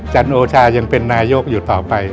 จันโอชายังเป็นนายกอยู่ต่อไป